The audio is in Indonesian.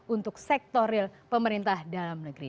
untuk sektor real pemerintah dalam negeri